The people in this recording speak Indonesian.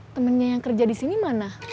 temennya yang kerja di sini mana